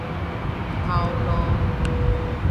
頭路